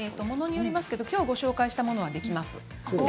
ものによりますがきょうご紹介したものはできます。